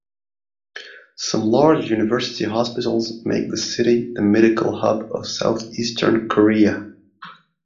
Some large university hospitals make the city the medical hub of south-eastern Korea.